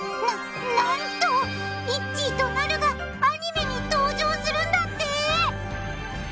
ななんといっちーとなるがアニメに登場するんだって。